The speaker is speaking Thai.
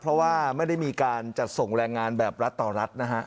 เพราะว่าไม่ได้มีการจัดส่งแรงงานแบบรัฐต่อรัฐนะฮะ